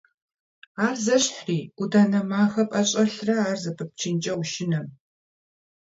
Ар зэщхьри: ӏуданэ махэ пӏэщӏэлърэ ар зэпыпчынкӏэ ушынэм!